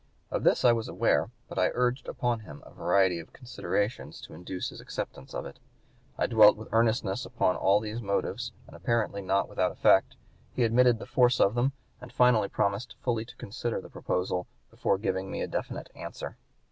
Of this I was aware; but I urged upon him a variety of considerations to induce his acceptance of it.... I dwelt with earnestness upon all these motives, and apparently not without effect. He admitted the force of them, and finally promised fully to consider of the proposal before giving me a definite answer."